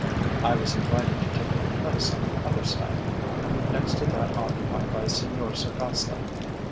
I was invited to take my place on the other side, next to that occupied by Senor Sargasta.